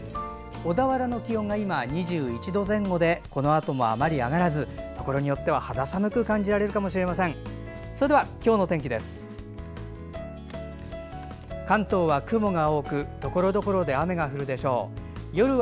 小田原の気温が今、２１度前後でこのあともあまり上がらずところによっては肌寒く感じられるかもしれません。